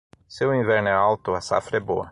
Se o inverno é alto, a safra é boa.